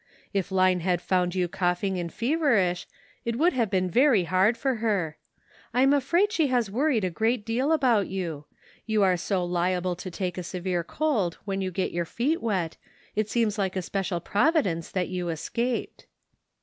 If Line had found you coughing and feverish it would have been very hard for her. I am afraid she has worried a great deal about you. You are so liable to take a severe cold when you get your feet wet, it seems like a special Providence that you escaped."